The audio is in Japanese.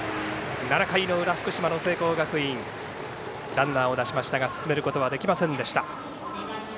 ７回の裏、福島の聖光学院ランナーを出しましたが進めることはできませんでした。